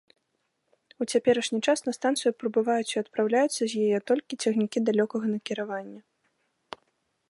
У цяперашні час на станцыю прыбываюць і адпраўляюцца з яе толькі цягнікі далёкага накіравання.